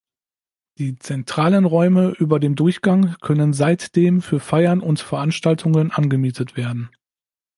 Die zentralen Räume über dem Durchgang können seitdem für Feiern und Veranstaltungen angemietet werden.